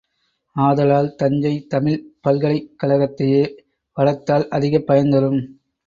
ஆதலால் தஞ்சைத் தமிழ்ப் பல்கலைக் கழகத்தையே வளர்த்தால் அதிகப் பயன்தரும்.